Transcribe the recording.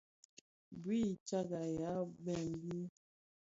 Bui titsàb yaà bwem bi.